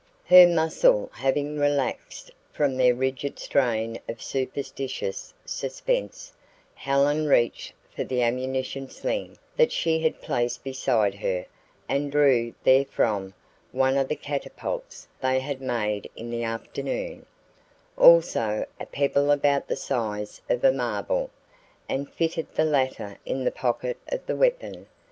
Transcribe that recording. Her muscles having relaxed from their rigid strain of superstitious suspense, Helen reached for the "ammunition sling" that she had placed beside her and drew therefrom one of the catapults they had made in the afternoon, also a pebble about the size of a marble, and fitted the latter in the pocket of the weapon.